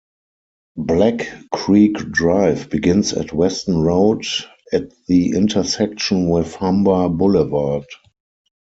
Black Creek Drive begins at Weston Road at the intersection with Humber Boulevard.